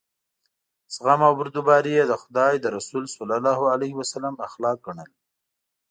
زغم او بردباري یې د خدای د رسول صلی الله علیه وسلم اخلاق ګڼل.